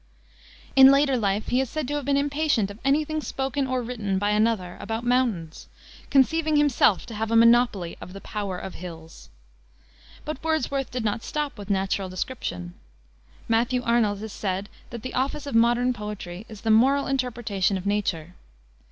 In later life he is said to have been impatient of any thing spoken or written by another about mountains, conceiving himself to have a monopoly of "the power of hills." But Wordsworth did not stop with natural description. Matthew Arnold has said that the office of modern poetry is the "moral interpretation of Nature."